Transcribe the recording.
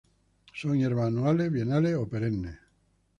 Son hierbas anuales, bienales o perennes.